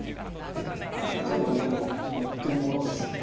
えっ手の上に載ってるものですね？